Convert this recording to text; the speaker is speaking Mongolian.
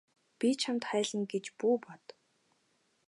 Би чамд хайлна гэж бүү бод.